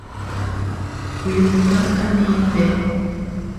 uyu mutaka ni nde